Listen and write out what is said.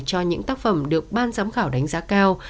cho những tác phẩm được ban giám khảo đánh giá cao